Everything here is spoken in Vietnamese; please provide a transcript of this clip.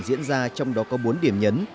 diễn ra trong đó có bốn điểm nhấn